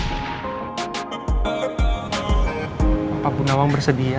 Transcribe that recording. apa punawang bersedia